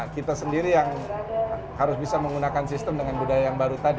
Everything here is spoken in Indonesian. kita sendiri yang harus bisa menggunakan sistem dengan budaya yang baru tadi